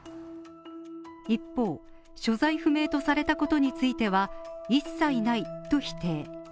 一方、所在不明とされたことについては一切ないと否定